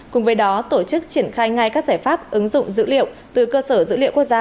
cùng với đó tổ chức triển khai ngay các giải pháp ứng dụng dữ liệu từ cơ sở dữ liệu quốc gia